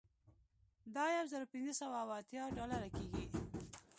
دا یو زر پنځه سوه اوه اتیا ډالره کیږي